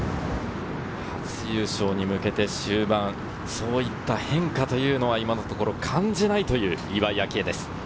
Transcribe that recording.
初優勝に向けて終盤、そういった変化というのは、今のところ感じないという岩井明愛です。